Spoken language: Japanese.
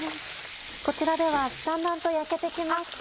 こちらではだんだんと焼けて来ました。